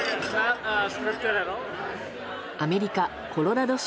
アメリカ・コロラド州